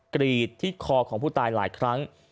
กรีดที่คอของผู้ตายหลายครั้ง